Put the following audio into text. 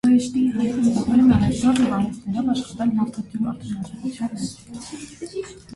Լանջերը ծածկված են հողմահարված քարակարկառներով և ալպյան մարգագետիններով։